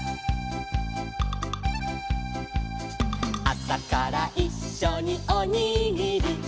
「あさからいっしょにおにぎり」